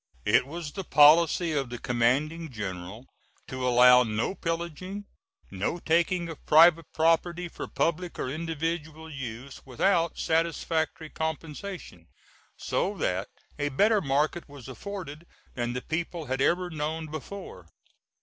It was the policy of the Commanding General to allow no pillaging, no taking of private property for public or individual use without satisfactory compensation, so that a better market was afforded than the people had ever known before.